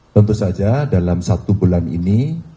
tentu saja dalam satu bulan ini